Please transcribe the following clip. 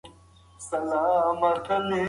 د انټرنیټ له لارې موږ نوي مهارتونه زده کوو.